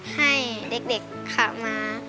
ให้เด็กคะ